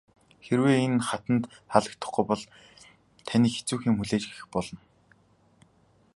Хэрэв энэ хатанд таалагдахгүй бол таныг хэцүүхэн юм хүлээх болно.